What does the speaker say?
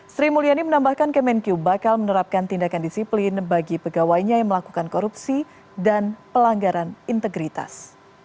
sri mulyani menambahkan kemenq bakal menerapkan tindakan disiplin bagi pegawainya yang melakukan korupsi dan pelanggaran integritas